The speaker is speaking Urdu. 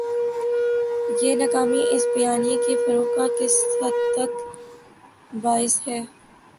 یہ ناکامی اس بیانیے کے فروغ کا کس حد تک باعث ہے؟